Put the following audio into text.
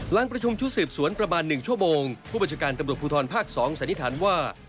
หลังประชุมชุดสืบสวนประมาณ๑ชั่วโมงผู้บัญชาการตำรวจภูทรภาค๒สันนิษฐานว่า